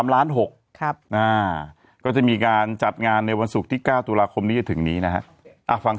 ๓ล้าน๖ครับอ่าก็จะมีการจัดงานในวันศุกร์ที่๙ตุลาคมนี้ถึงนี้นะฮะฟัง